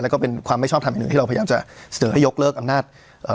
แล้วก็เป็นความไม่ชอบทำอย่างหนึ่งที่เราพยายามจะเสนอให้ยกเลิกอำนาจเอ่อ